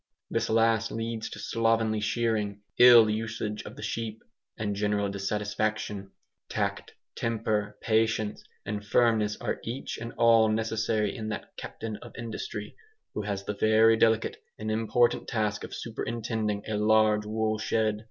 This last leads to slovenly shearing, ill usage of the sheep, and general dissatisfaction. Tact, temper, patience, and firmness are each and all necessary in that Captain of Industry who has the very delicate and important task of superintending a large woolshed.